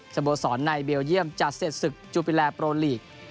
สโมสรในเบลเยี่ยมจะเสร็จศึกจูปิแลนโปรลีก